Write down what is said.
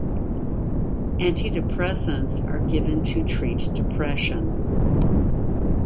Antidepressants are given to treat depression.